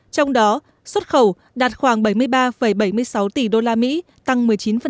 trong đó xuất khẩu đạt khoảng bảy mươi ba bảy mươi sáu tỷ usd tăng một mươi chín